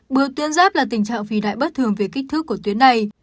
bước tuyến giáp là tình trạng phì đại bất thường về kích thước của tuyến này